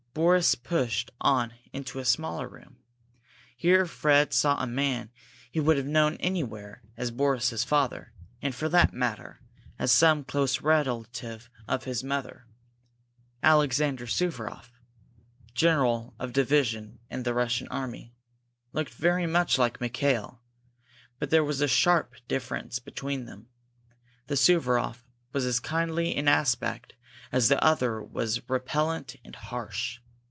Boris pushed on into a smaller room. Here Fred saw a man he would have known anywhere as Boris's father, and, for that matter, as some close relative of his mother. Alexander Suvaroff, General of Division in the Russian army, looked very much like Mikail, but there was a sharp difference between them. This Suvaroff was as kindly in aspect as the other was repellent and harsh.